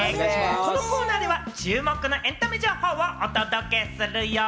このコーナーでは注目のエンタメ情報をお届けするよ！